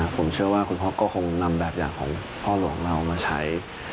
ผมเชื่อว่าคุณท็อปก็คงนำแบบอย่างของพ่อหลวงเรามาใช้